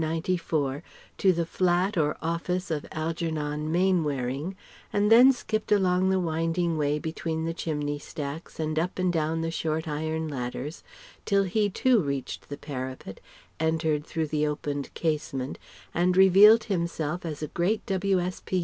94 to the flat or office of "Algernon Mainwaring," and then skipped along the winding way between the chimney stacks and up and down short iron ladders till he too reached the parapet, entered through the opened casement, and revealed himself as a great W.